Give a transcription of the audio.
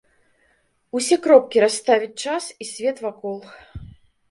Усе кропкі расставіць час і свет вакол.